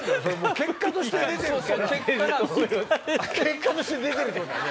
結果として出てるってことだよね。